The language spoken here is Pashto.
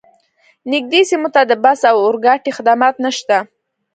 نږدې سیمو ته د بس او اورګاډي خدمات نشته